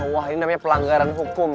wah ini namanya pelanggaran hukum